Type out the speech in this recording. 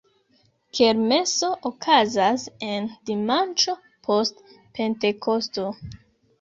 Kermeso okazas en dimanĉo post Pentekosto.